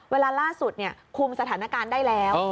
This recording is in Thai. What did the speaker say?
เวลาล่าสุดคุมสถานการณ์ได้แล้ว